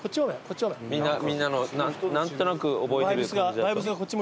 みんなの何となく覚えてる感じ。